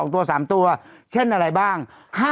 ตัว๓ตัวเช่นอะไรบ้าง